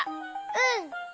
うん。